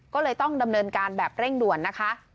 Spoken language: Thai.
ก็เลยต้องดำเนินการแบบเร่งด่วนนะคะ